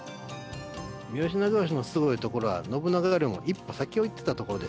三好長慶のすごいところは信長よりも一歩先を行ってたところですね。